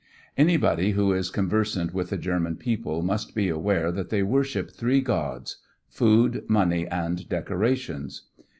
Anybody who is conversant with the German people must be aware that they worship three gods Food, Money and Decorations.